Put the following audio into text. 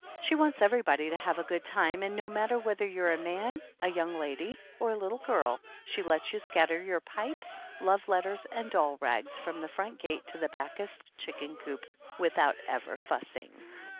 She wants every body to have a good time, and no matter whether you're a man, a young lady, or a little girl, she lets you scatter your pipes, love letters and doll rags from the front gate to the backest chicken coop without ever fussing.